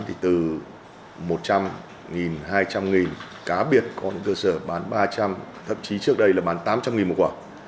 thì từ một trăm linh hai trăm linh cá biệt có những cơ sở bán ba trăm linh thậm chí trước đây là bán tám trăm linh một quả